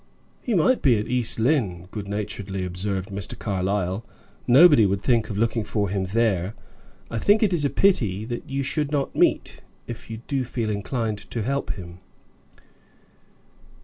"He might be at East Lynne," good naturedly observed Mr. Carlyle. "Nobody would think of looking for him there. I think it is a pity that you should not meet, if you do feel inclined to help him."